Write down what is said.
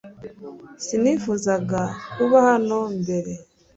Sinifuzaga kuba hano mbere .